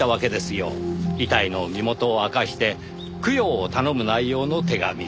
遺体の身元を明かして供養を頼む内容の手紙を。